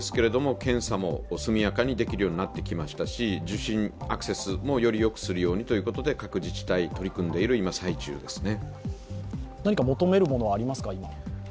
検査も速やかにできるようになってきましたし、受診、アクセスもよりよくするようにということで各自治体、取り組んでいる今、最中ですね。